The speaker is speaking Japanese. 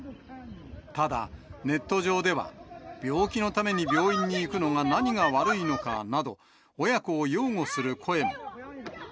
ただ、ネット上では、病気のために病院に行くのが何が悪いのかなど、親子を擁護する声も。